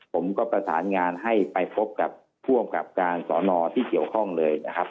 ผมก็ประสานงานให้ไปพบกับผู้อำกับการสอนอที่เกี่ยวข้องเลยนะครับ